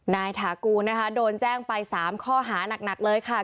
ถากูนะคะโดนแจ้งไป๓ข้อหานักเลยค่ะ